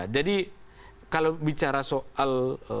jadi kalau bicara soal